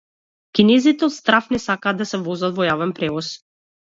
Кинезите од страв не сакаат да се возат во јавен превоз